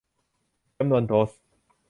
จำนวนโดส